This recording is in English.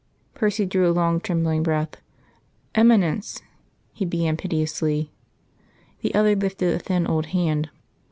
Percy drew a long trembling breath. "Eminence," he began piteously. The other lifted a thin old hand.